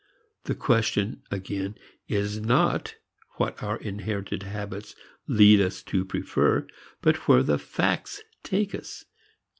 The question, again is not what our inherited habits lead us to prefer, but where the facts take us.